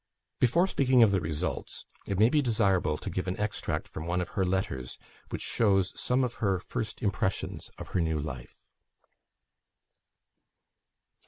Before speaking of the results, it may be desirable to give an extract from one of her letters, which shows some of her first impressions of her new life.